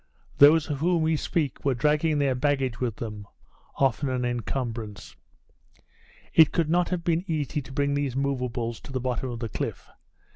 Those of whom we speak were dragging their baggage with them, often an encumbrance. It could not have been easy to bring these movables to the bottom of the cliff.